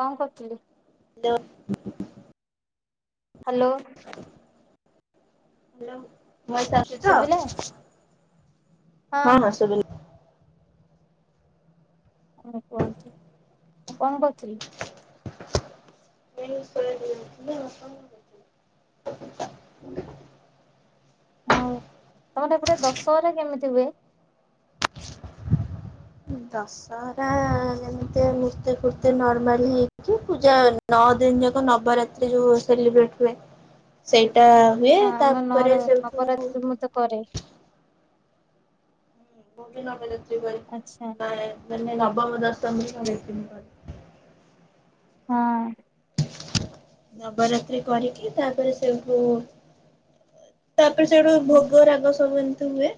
କଣ କରୁଥିଲେ? ଦେହ ହାଲୋ ଭଏସ ଆସୁଛି ତ? ଶୁଭିଲା ହଁ ହଁ ସବୁ ହଁ କୁହନ୍ତୁ ମୁଁ କଣ କରୁଥିଲି? [unintelligible] ହ [unintelligible] ହଉ ତମର ଗୋଟେ ଦଶହରା କେମିତି ହୁଏ? ଦଶହରା ଏମିତି ମୁର୍ତ୍ତି ଫୁର୍ତ୍ତି ନର୍ମାଲ ହେଇକି ପୂଜା ନଅ ଦିନ ଯାକ ନବରାତ୍ରି ଯୋଉ ସେଲିବ୍ରେଟ୍ ହୁଏ। ସେଇଟା ହୁଏ ହଁ ଆମ ତାପରେ ନର ସେମୁ ନବରାତ୍ରି ମୁଁ ତ କରେ। ମୁଁ ବି ନବରାତ୍ରୀ କରେ। ଆଚ୍ଛା। ନବମୀ ଦଶମୀ [inaudible] ହଁ ନବରାତ୍ରି କରିକି ତାପରେ ସେଠୁ ତାପରେ ସେଇଠୁ ଭୋଗ ରାଗ ସବୁ ଏମିତି ହୁଏ।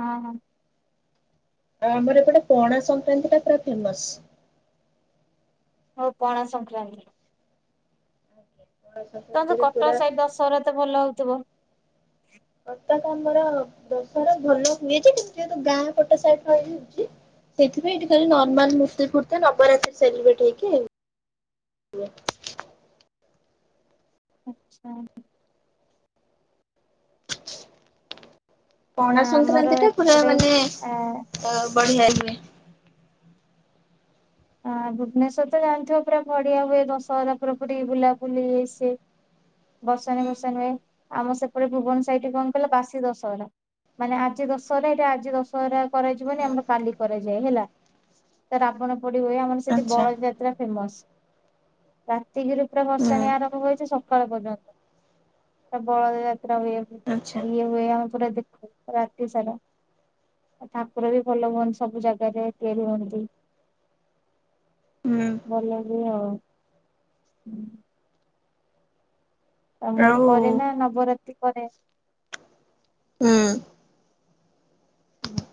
ଅହଁ। ଆଉ ଆମର ଏପଟେ ପଣା ସଂକ୍ରାନ୍ତି ଟା ପୁରା ଫେମସ। ହଉ ପଣା ସଂକ୍ରାନ୍ତି। ପଣା ତମରତ ସଂକ୍ରାନ୍ତିରେ କଟକ ପୁରା ସାହି ଦଶହରା ତ ଭଲ ହେଉଥିବ? କଟକ ତ ଆମର ଦଶହର ଭଲ ହୁଏ ଯେ କିନ୍ତୁ ଯେହେତୁ ଗାଁ ପଟ ସାଇଡ ରହିଯାଉଛି ସେଇଥିାଇଁ ଏଠି ଖାଲି ନର୍ମାଲ ମୂର୍ତ୍ତି ପୂର୍ତି ନବରାତ୍ରୀ ସେଲିବ୍ରେଟ ହେଇଛି ଆଉ। [inaudible] ଆଛା। ନା ପଣା ଆମର ସଂକ୍ରାନ୍ତି ଟା ପୁରା ଏପଟେ ମାନେ ଆ ଅ ବଢିଆ ହୁଏ। ଆ ଭୁବନେଶ୍ୱର ତ ଜାଣିଥିବ ପୁରା ଭଡିଆ ହୁଏ ଦଶହରା ପୁରା ପୁରୀ ବୁଲାବୁଲି [unintelligible] ବର୍ସାଣି ହୁଁ ବର୍ଷାଣି ହୁଏ ଆମ ସେପଟେ ଭୁବନ ସାଇଟ୍ କଣ କାହିଲ ବାସୀ ଦଶହରା। ମାନେ ଆଜି ଦଶରେ ଏଟି ଆଜି ଦଶଅରା କରାଯିବନି ଆମର କାଲି କରାଯାଏ ହେଲା। ତ ରାବଣ ପୋଡ଼ି ହୁଏ ଆମର ସେଠି ଆଚ୍ଛା ବଳଯାତ୍ରା ଫେମସ। ରାତିକିରୁ ପୁରା ହୁଁ ଭସାଣି ଆରମ୍ଭ ହେଇଛି ସକାଳ ପର୍ଯ୍ୟନ୍ତ। ବଳଦଯାତ୍ରା ହୁଏ ଆଚ୍ଛା ଏ ହୁଏ ଆମେ ଦେଖୁ ପୁର ରାତି ସାରା। ଠାକୁର ବି ଭଲ ହୁଅନ୍ତି ସବୁ ଜାଗାରେ ତିଆରି ହୁଅନ୍ତି। ହୁଁ ଭଲାହୁଏ ଆଉ, ହୁଁ। ତ ମୁଁ ବି ଆଉ କରେ ନା ନବରାତ୍ରି କରେ। ହୁଁ। ହୁଁ।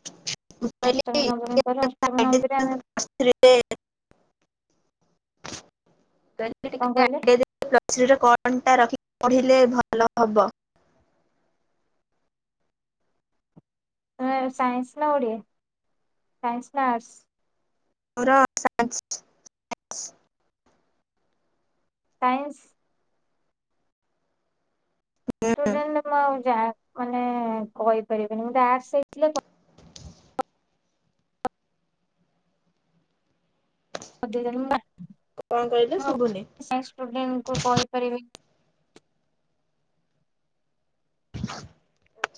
[inaudible] ଅଷ୍ଟମୀ ନବମୀ ପରେ ଅଷ୍ଟମୀ [unintelligible] [unintelligible] ପ୍ଲସ କଣ କହିଲେ ଥ୍ରି ରେ କଣ ଟା ରଖିକି ପଢିଲେ ଭଲ ହବ? ସାଇନ୍ସ ନ ଓଡ଼ିଆ ସାଇନ୍ସ ନା ଆର୍ଟସ? ମୋର ସାଇନ୍ସ [unintelligible] ସାଇନ୍ସ। ଷ୍ଟୁଡେଣ୍ଟସ୍ ଯା ମାନେ କହିପାରିବିନି ମୋର ଆଡସ୍ ଥିଲା [unintelligible] [unintelligible] କଣ କହିଲେ ଶୁଭୁନି। [unintelligible] ଷ୍ଟୁଡେଣ୍ଟ କୁ କହି [unintelligible]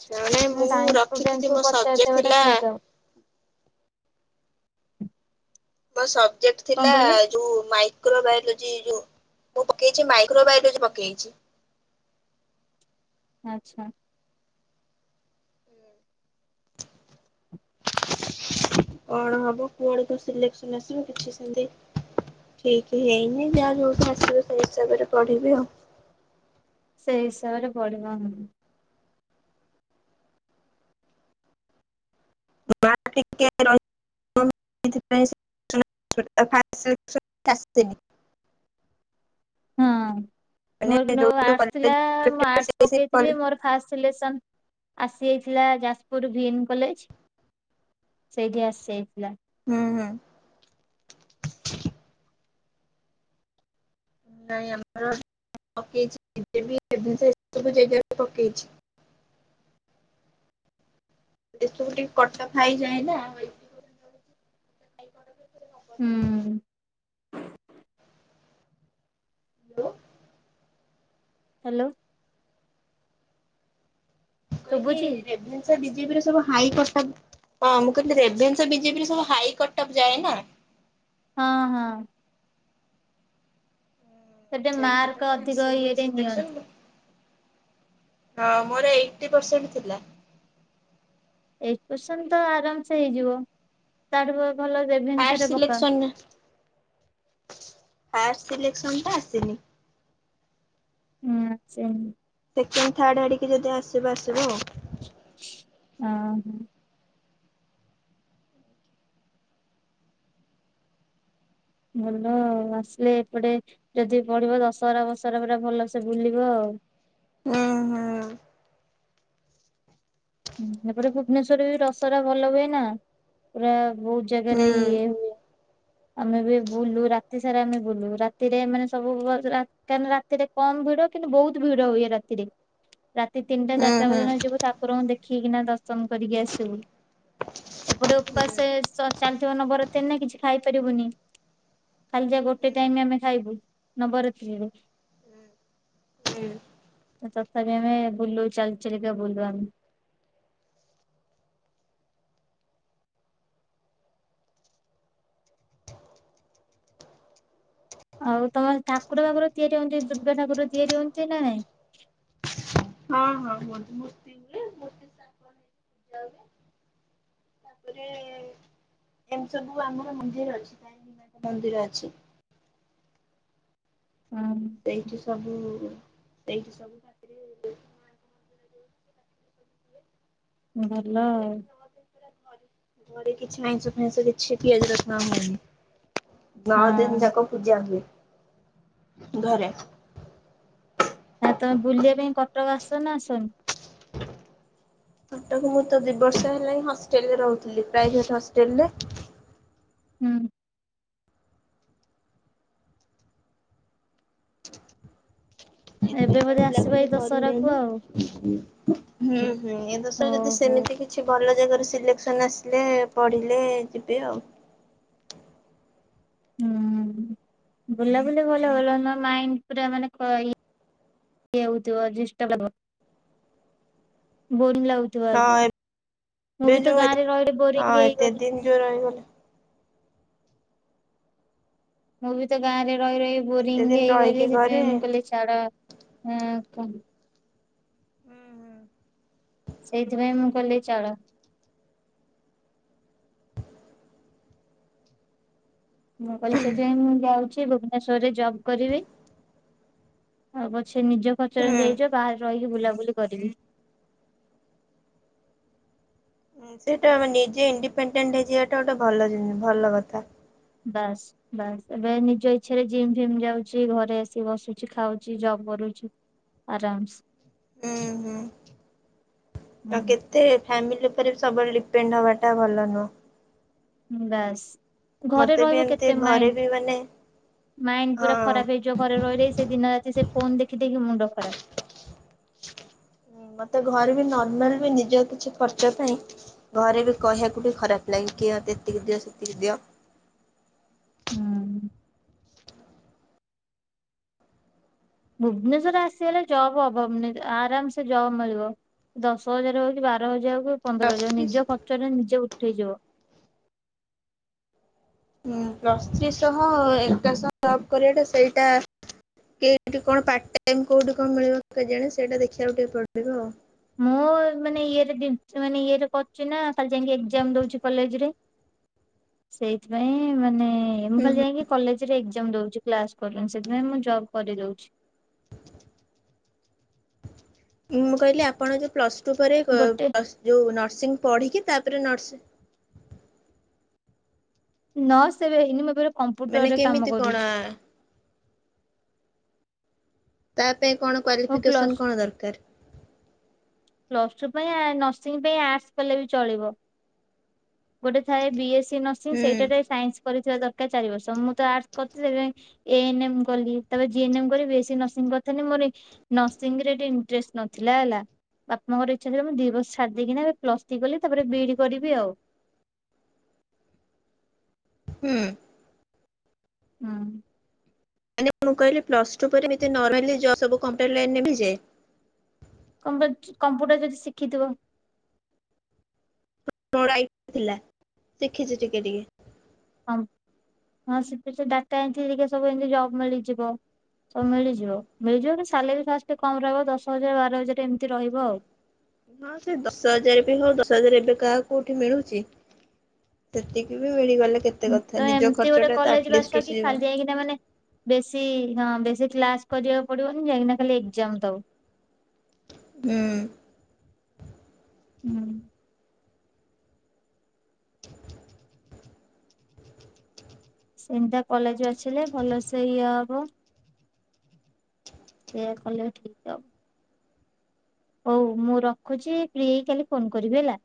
ଜଣେ ମୁଁ ସାଇନ୍ସ ରଖିଥିଲି ଷ୍ଟୁଡେଣ୍ଟକୁ ମୋ ସବ୍ ଯେ ପଚାରିଦେବାଟା ଥିଲା ଠିକ୍ ହବ। ମୋ ସବଜେକ୍ଟ କଣ ଥିଲା କହିଲେ ଯୋଉ ମାଇକ୍ରୋବାୟୋଲୋଜି ଯୋଉ ମୁଁ ପକେଇଛି ମାଇକ୍ରୋବାୟୋଲୋଜି ପକେଇଛି। ଆଚ୍ଛା। କଣ ହବ କୁଆଡୁ ତ ସିଲେକ୍ସନ ଆସିବ କିଛି ସେମତି ଠିକ ହେଇନି ଯାହା ଯୋଉଠି ଆସିବ ସେଇ ହିସାବରେ ପଢିବି ଆଉ। ସେଇ ହିସାବରେ ପଢିବ [unintelligible] [unintelligible] ଟିକେ [unintelligible] [unintelligible] ଫାଷ୍ଟ ସିଲେକ୍ସନ ଆସିନି। ହଁ [unintelligible] ମାନେ ମୋର ଯୋଉ ଯୋଉ ଆଡସ୍ କଲେଜ ଥିଲା ମୁଁ ଆର୍ଟସ୍ ସେଇ ସେଇ କଲେ ପକେଇଥିଲି ମୋର ଫାଷ୍ଟ ସିଲେକ୍ସନ ଆସିଯାଇଥିଲା ଯାଜପୁର ଭି ଏ ମ କଲେଜ। ସେଇଠି ଆସିଯାଇଥିଲା। ହୁଁ ହୁଁ। ନାହିଁ ଆମର ପକେଇଛି [unintelligible] ପକେଇଛି। ଏସବୁ ଟିକେ କଟକ ହାଇଯାଏ ନା। ହୁଁ ହିଁ। ହାଲୋ। ହାଲୋ। ମୁଁ କହିଲି ଶୁଭୁଛି ରେଭେନ୍ [unintelligible] ବିଜେପିରେ ସବୁ ହାଇ ପ୍ରସ୍ତାବ ହଁ ମୁଁ କହିଲି ରେଭେନ୍ସା ବିଜେପିରେ ସବୁ ହାଇ କଟପ ଯାଏ ନା। ହଁ ହଁ। ସେଠି ମାର୍କ ସେଇଥିପାଇଁ ଅଧିକ ଆସିନି ଇଅରେ ନିଅନ୍ତି। ହଁ ମୋର ଏଇଟି ପରସେଣ୍ଟ ଥିଲା। ଏଇଟି ପସେଣ୍ଟ ତ ଆରାମସେ ହେଇଯିବ ତାଠୁ ଭଲ ରେଭେନ୍ସା ଫାଷ୍ଟ ରେ ପକାଅ। ଫାଷ୍ଟେ ସିଲେକ୍ସନ ଟା ଆସିନି। ହୁଁ ଆସିନି। ସେକେଣ୍ଡେ ଥାର୍ଡ ଆଡିକି ଯଦି ଆସିବ, ଆସିବ ଆଉ। ଉଁ ହୁଁ। ଭଲ ଆଉ ଆସିଲେ ଏପଟେ। ଯଦି ପଢିବ ଦଶରା, ଫସରା ପୁରା ଭଲସେ ବୁଲିବ ଆଉ। ଉଁ ହୁଁ। ହୁଁ ଏପଟେ ଭୁବନେଶ୍ୱର ବି ଦଶହରା ଭଲ ହୁଏ ନା ପୁରା ବହୁତୁ। ଜାଗା ହୁଁ ରେ ଇଏ ହୁଏ। ଆମେ ବି ବୁଲୁ ରାତି ସାରା ଆମେ ବୁଲୁ ରାତିରେ ମାନେ ସବୁ କାହିଁକି ରାତିରେ କମ ଭିଡ କିନ୍ତୁ ବହୁତ ଭିଡ ହୁଏ ରାତିରେ। ରାତି ତିନିଟା, ହୁଁ ଚାରିଟା ହୁଁ ପର୍ଯ୍ୟନ୍ତ ଯିବୁ ଠାକୁରଙ୍କୁ ଦେଖିକିନା ଦର୍ଶନ କରିକି ଆସିବୁ। ଏପଟେ ହୁଁ। ଉପାସ ଚାଲିଥିବ ନବରତ ନା କିଛି ଖାଇପାରିବୁନି। କାଲି ଯା ଗୋଟେ ଟାଇମ ଆମେ ଖାଇବୁ ନବରାତ୍ରିରେ। ହୁଁ ତଥାପି ଆମେ ବୁଲୁ ଚାଲିଚାଲିକି ବୁଲୁ ଆମେ। ଆଉ ତମ ଠାକୁର, ବାକୁର ତିଆରି ହୁଅନ୍ତି ଦୁର୍ଗା ଠାକୁର ତିଆରି ହୁଅନ୍ତି ନାଇଁ। ହଁ ହଁ ମୂର୍ତ୍ତି ହୁଏ ମୂର୍ତ୍ତି ସାରିଲା ପରେ ପୂଜା ହୁଏ। ତାପରେ। ଏମିତି ସବୁ ଆମର ମନ୍ଦିର ଅଛି କାହିଁକି ନା ମନ୍ଦିର ଅଛି। ଉଁ। ସେଇଠି ସବୁ ଏଇଠି ସବୁ। ଫ୍ରି ହେଲେ। ଭଲ ଆଉ। ଛେ ଘରେ କିଛି ଆଇଁଷ, ଫାଇଷ କିଛି ପିଆଜ, ରସୁଣ ହୁଏନି। ନଅଦିନି ହଁ ଜାକ ପୂଜା ହୁଏ ଘରେ। ନା ତମେ ବୁଲିବା ପାଇଁ କଟକ ଆସନା ଆସନି। ଫଟକୁ ମୁଁ ତ ଦି ବର୍ଷ ହେଲା ହିଁ ହଷ୍ଟେଲରେ ରହୁଥିଲି ପ୍ରାଇଭେଟ ହଷ୍ଟେଲ ରେ। ହୁଁ। ଏବେ ବୋଧେ ଆସ। ଏ କରିହୁଏ ନି ହୁଁ ହୁଁ ଏ ଦଶ ଯଦି ଓହୋ ସେମିତି କି। କିଛି ଭଲ ଜାଗାରୁ ସିଲେକ୍ସନ ଆସିଲେ ପଢ଼ିଲେ ଯିବେ ଆଉ। ହୁଁ ବୁଲାବୁଲି ଭଲ କର ନା ମାଇଣ୍ଡି ପୁରା ମାନେ ଇଏ। ଏ ହଉଥିବ ଆଜି ଇଷ୍ଟ ପର୍ବ ବୋରିଙ୍ଗି ଲାଗୁ ଥୁଆ ଆଜ୍ଞା ହଁ ମୁଁ ବି ତ ଗାଁରେ ରହିଲେ ବୋରିଙ୍ଗି ହେଇଗଲି। ସେ ରହିଗଲେ। ମୁଁ ବି ତ ଗାଁରେ ରହି, ରହି ଏତେ ବୋରିଙ୍ଗି ଦିନ ହେଇଗଲି ରହିକି ଘରେ ସେଥିପାଇଁ ମୁଁ କହିଲି ଛାଡ କ ଉଁ ହୁଁ। ସେଇଥିପାଇଁ ମୁଁ କହିଲି ଚାଳ। ମୁଁ କହିଲି ସେଥିପାଇଁ ମୁଁ ଯାଉଛି ଭୁବନେଶ୍ଵରରେ ଜବ୍ କରିବି। ଆଉ ପଛେ ନିଜ ଖର୍ଚ୍ଚରେ ନେଇଜ ବାହାରେ ରହିକି ବୁଲାବୁଲି କରିବି। ସେଇଟା ଆମେ ନିଜେ ଇଣ୍ଡିପେଣ୍ଡେଣ୍ଟ ହେଇଯିବାଟା ଗୋଟେ ଭଲ ଜିନିଷ ଭଲ କଥା। ବାସ୍। ବାସ୍ ଏବେ ନିଜ ଇଚ୍ଛାରେ ଜିମ୍ ଫିମ୍ ଯାଉଛି, ଘରେ ଆସି ବସୁଛି ଖାଉଛି ଜବ୍ କରୁଛି। ଆରାମସେ। ହୁଁ ହୁଁ ତ କେତ ହୁଁ ଏତେ ଫ୍ୟାମିଲି ଉପରେ ବି ସବୁବେଳେ ଡିପେଣ୍ଡ ହବାଟା ଭଲ ନୁହଁ। ବାସ୍। ଘରେ ମତେ ବି ରହିବ ଏମିତି କେତେ? ଘରେ ବି ମାନେ ମାଇଣ୍ଡ ମାଇଣ୍ଡ ପୁରା ହଁ ଖରାପ ହେଇଯିବ ଘରେ ରହି ରହି ସେ ଦିନ ସେ ଫୋନ୍ ଦେଖିଦେଖି ମୁଣ୍ଡ ଖରାପ। ମତେ ଘରେ ବି ନର୍ମାଲ ବି ନିଜ କିଛି ଖର୍ଚ୍ଚ ପାଇଁ। ଘରେ ବି କହିବାକୁ ଟିକେ ଖରାପ ଲାଗେ। କିଏ ଏତିକି ଦିଅ ସେତିକି ଦିଅ। ହୁଁ। ଭୁବନେଶ୍ଵରରେ ଆସିଗଲେ ଜବ୍ ହବ ଆରାମ୍ ସେ ଜବ୍ ମିଳିବ। ଦଶ ହଜାର ହଉ, କି ବାର ହଜାର ହଉ, କି ପନ୍ଦର ପ୍ଲସ୍ ହଜାର ହଉ, ଥ୍ରୀ ନିଜ ଖର୍ଚ୍ଚ ରେ ନିଜେ ଉଠେଇଯିବ। ହଁ ପ୍ଲସ୍ ଥ୍ରି ଶହ ଏକାଶହ ଜବ୍ କରିବାଟା ସେଇଟା କେଠି କଣ ପାର୍ଟ ଟାଇମ୍ କୋଉଠି କଣ ମିଳିବ କେଜାଣେ ସେଇଟା ଦେଖିବାକୁ ଟିକେ ପଡ଼ିବ ଆଉ। ମୁଁ ମାନେ ଇଏରେ ମାନେ ଇଏରେ କରୁଛି ନା ଖାଲି ଯାଇକି ଏକ୍ଜାମ୍ ଦଉଛି କଲେଜ ରେ। [unintelligible] ସେଇଥିପାଇଁ ମାନେ ମୁଁ ହୁଁ ଖାଲି ଯାଇକି କଲେଜ୍ ରେ ଏଜାମ୍ ଦଉଛି। କ୍ଲାସ୍ କରୁନି ସେଥିପାଇଁ ମୁଁ ଜବ୍ କରିରଉଛି। ମୁଁ କହିଲି ଆପଣ ଯେ ପ୍ଲସ୍ ଟୁ ପରେ ଗୋଟେ ପ୍ଲ ଯେଉଁ ନର୍ସିଂ ପଢ଼ିକି ତାପରେ ନର୍ସି ନର୍ସ ଏବେ ହେଇନି ମୁଁ ଏ କମ୍ପ୍ୟୁଟର୍ ମାନେ ରେ କାମ କେମିତି କଣ କରୁଛି। ତା ପାଇଁ କଣ ମୁଁ କ୍ୱଲିଫିକେସନ୍ ପ୍ଲସ କଣ ଦରକାର୍? ପ୍ଲସ୍ ଟୁ ପାଇ ନର୍ସିଂ ପାଇ ଆଟର୍ସ କଲେ ବି ଚଳିବ। ଗୋଟେ ଥାଏ ବିଏସ୍ ନର୍ସିଂ ହୁଁ ସେଇଟା ରେ ସାଇନ୍ସ୍ କରିଥିବା ଦରକାର ଚାରି ବର୍ଷ ମୁଁ ତ ଆଟର୍ସ କରିଛି। ସେଥିପାଇଁ ଏ ନେମ୍ କଲି ତା ଜିଏନ୍ ଏମ୍ କରି ବେଶୀ ନର୍ସିଂ କରି ଥାନ୍ତି। ମୁଁ କହିଲି ନର୍ସିଂ ରେ ଟିକେ ଇଣ୍ଟରେଷ୍ଟ୍ ନଥିଲା ହେଲା। ବାପା ଙ୍କର ଇଛା ଥିଲା। ମୁ ଦି ବର୍ଷ ଛାଡିଦେଇକି ଏବେ ପ୍ଲସ୍ ଥ୍ରୀ କଲି ତାପରେ ବିଡ଼ି କରିବି ଆଉ। ହୁଁ। ହଁ। ମାନେ ମୁଁ କହିଲି ପ୍ଲସ୍ ଟୁ ପରେ ଏମିତି ନ ରହିଲେ ଜ ସବୁ କମ୍ପ୍ୟୁଟର ଲାଇନରେ ହେଇଯାଏ? ବଟ କମ୍ପୁଟର ଯଦି ଶିଖିଥିବ। ମୋର ଆଇଡ଼ି ଥିଲା ଶିଖିଛି ଟିକେ ଟିକେ। ହଁ ହଁ ସେ ଡାଟା ଏମିତି ଟିକେ ସବୁ ଏମିତି ଜବ୍ ମିଳିଯିବ। ସବୁ ମିଳିଯିବ ମିଳିଯିବ କି ସାଲେରୀ ଫାଷ୍ଟ୍ କମ୍ ରହିବ ଦଶ ହଜାର୍, ବାର ହଜାର୍ ଏମିତି ରହିବ ଆଉ। ହଁ ସେ ଦଶ ହଜାର ବି ହଉ ଦଶ ହଜାର ଏବେ କାହାକୁ କୋଉଠି ମିଳୁଛି। ସେତିକି ବି ମିଳିଗଲେ କେତେ। ହୁଁ କଥା ତ ନିଜ ଏମିତି ଖର୍ଚ୍ଚ ଗୋଟେ ଟା ତ କଲେଜ ରେ ଆଟଲିଷ୍ଟ ଅଛ କି ଉଠିଯିବ। ଖାଲି ଯାଇକି ନା ମାନେ ବେଶୀ ହଁ ବେଶୀ କ୍ଲାସ୍ କରିବାକୁ ପଡ଼ିବନି। ଯାଇକି ଖାଲି ଏକ୍ସାମ ଦଉ। ହୁଁ। ହୁଁ। ସେମିତିଆ କଲେଜ୍ ବାଛିଲେ ଭଲସେ ଏଇଆ ହବ। ସେଇୟା କଲେ ଠିକ୍ ହବ। ହଉ ମୁଁ ରଖୁଛି ଫ୍ରି ହେଇକି କାଲି ଫୋନ୍ କରିବି ହେଲା?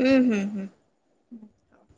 ହୁଁ ହୁଁ ହୁଁ। [unintelligible]